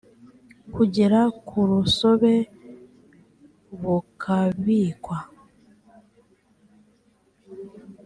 kugera ku rusobe bukabikwa